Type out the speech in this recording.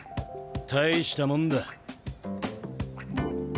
大したもんだ。